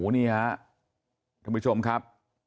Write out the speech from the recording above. นี่ฮะคุณผู้ชมครับ